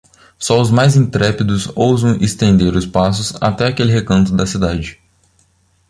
Só os mais intrépidos ousavam estender os passos até aquele recanto da cidade.